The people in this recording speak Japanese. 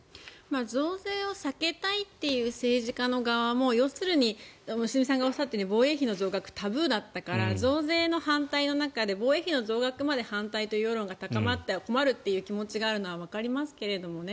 増税を避けたいっていう政治家の側も要するに、良純さんがおっしゃっているように防衛費の増額タブーだったから増税の反対の中で防衛費の増額まで反対という世論が高まっては困るという気持ちがあるのはわかりますけれどもね。